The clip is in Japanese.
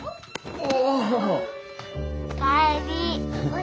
お。